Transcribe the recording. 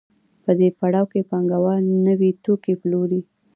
په دې پړاو کې پانګوال نوي توکي پلوري